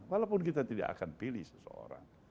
walaupun kita tidak akan pilih seseorang